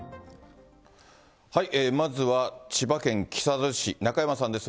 まずは千葉県木更津市、中山さんです。